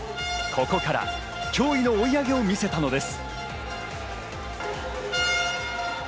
ここから驚異の追い上げを見せたのです。